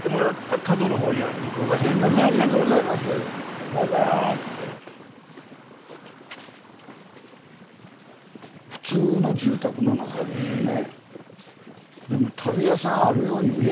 スタジオ普通の住宅の中ですよね。